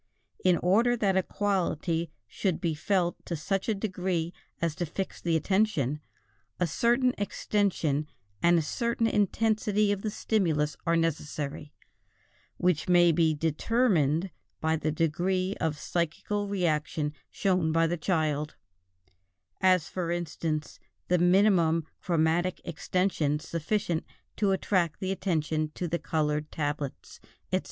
In order that a quality should be felt to such a degree as to fix the attention, a certain extension and a certain intensity of the stimulus are necessary, which may be determined by the degree of psychical reaction shown by the child; as, for instance, the minimum chromatic extension sufficient to attract the attention to the colored tablets, etc.